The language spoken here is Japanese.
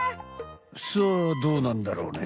さあどうなんだろうね。